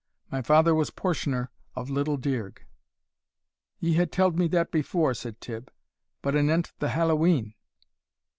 My father was portioner of Little dearg." "Ye hae tell'd me that before," said Tibb; "but anent the Hallowe'en?"